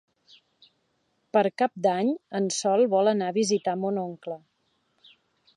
Per Cap d'Any en Sol vol anar a visitar mon oncle.